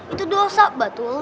itu dosa batul